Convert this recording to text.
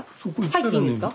入っていいんですか？